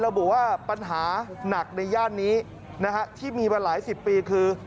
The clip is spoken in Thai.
ระบุว่าปัญหาหนักในย่านนี้นะฮะที่มีมาหลายสิบปีคือ